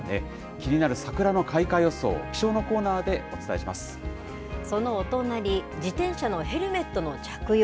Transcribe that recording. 気になる桜の開花予想、気象のコそのお隣、自転車のヘルメットの着用。